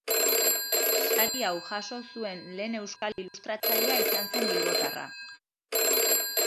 Sari hau jaso zuen lehen euskal ilustratzailea izan zen bilbotarra.